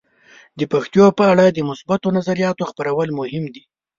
د پښتو په اړه د مثبتو نظریاتو خپرول مهم دي.